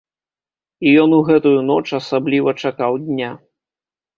І ён у гэтую ноч асабліва чакаў дня.